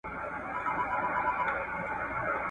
چي یې ښځي ویل واوره دا خبره ,